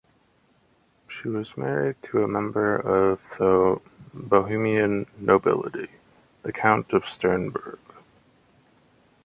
She was married to a member of the Bohemian nobility, the count of Sternberg.